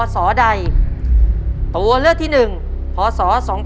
ตัวเลือกที่หนึ่งพศ๒๕๔๑